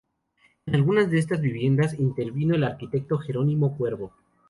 En algunas de estas viviendas intervino el arquitecto Gerónimo Cuervo.